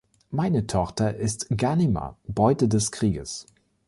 Meine Tochter ist Ghanima, Beute des Krieges.